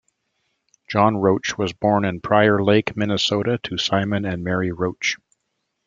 John Roach was born in Prior Lake, Minnesota, to Simon and Mary Roach.